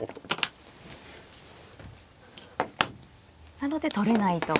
なので取れないと。